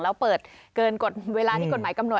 แล้วเปิดเกินกฎเวลาที่กฎหมายกำหนด